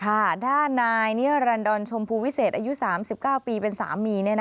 ด้านนายนิรันดรชมพูวิเศษอายุ๓๙ปีเป็นสามี